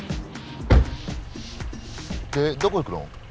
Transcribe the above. でどこ行くの？